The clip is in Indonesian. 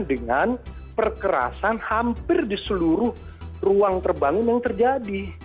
dengan perkerasan hampir di seluruh ruang terbangun yang terjadi